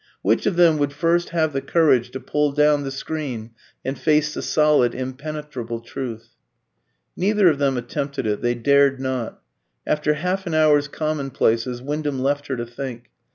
Which of them would first have the courage to pull down the screen and face the solid, impenetrable truth? Neither of them attempted it, they dared not. After half an hour's commonplaces Wyndham left her to think.